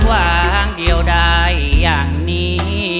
วางเดียวได้อย่างนี้